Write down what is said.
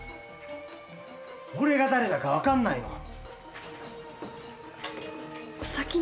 俺が誰だか分かんないのか？